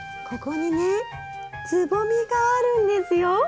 ここにねつぼみがあるんですよ。